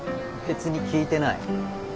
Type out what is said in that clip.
別に聞いてない。